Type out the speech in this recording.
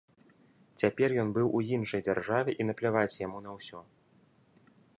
Цяпер ён быў у іншай дзяржаве і напляваць яму на ўсё.